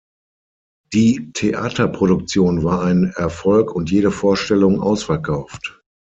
Die Theaterproduktion war ein Erfolg und jede Vorstellung ausverkauft.